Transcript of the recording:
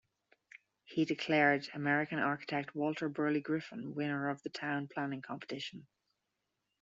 He declared American architect Walter Burley Griffin winner of the town planning competition.